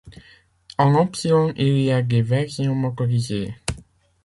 En option il y a des versions motorisés.